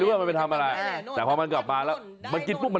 คือเป็นแมวเศรษฐานจริง